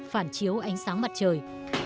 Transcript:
phản chiếu ánh sáng mặt trời